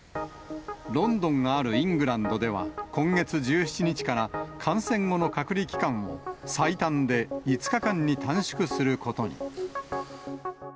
ロンドンがあるイングランドでは、今月１７日から感染後の隔離期間を、最短で５日間に短縮することに。